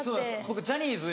僕ジャニーズ